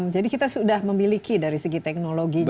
jadi kita sudah memiliki dari segi teknologinya ya